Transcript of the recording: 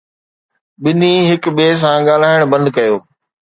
ٻنهي هڪ ٻئي سان ڳالهائڻ بند ڪيو